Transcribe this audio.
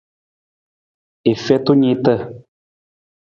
I feta niita.